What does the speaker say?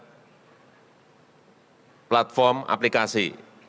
menggunakan platform aplikasi